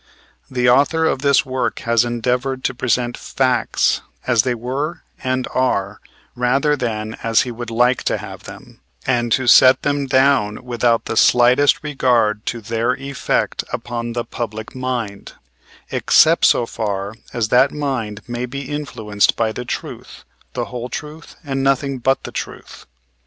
The author of this work has endeavored to present facts as they were and are, rather than as he would like to have them, and to set them down without the slightest regard to their effect upon the public mind, except so far as that mind may be influenced by the truth, the whole truth and nothing but the truth.